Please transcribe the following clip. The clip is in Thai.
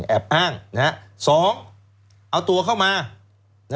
๑แอบอ้าง๒เอาตัวเข้ามานะครับ